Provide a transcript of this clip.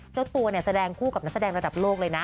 เจ้าตัวเนี่ยแสดงคู่กับนักแสดงระดับโลกเลยนะ